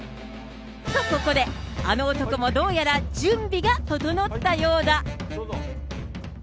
と、ここであの男もどうやら準備が整ったようだ。